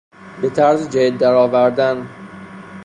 به طرز جدید در آوردن